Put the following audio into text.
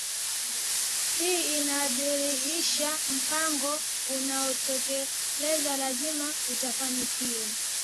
hii inadhihirisha mpango anaoutekeleza lazima utafanikiwa